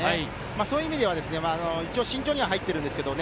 そういう意味では慎重に入ってるんですけどね。